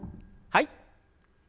はい。